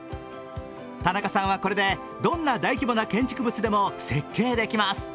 田中さんはこれでどんな大規模な建築物でも設計できます。